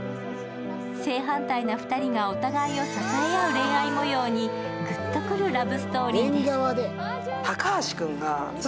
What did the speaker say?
正反対な２人がお互いを支え合う恋愛模様にグッとくるラブストーリーです。